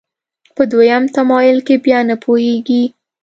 په دویم تمایل کې بیا نه پوهېږي.